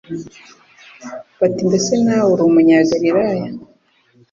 bati: «Mbese nawe uri umunyagalilaya ?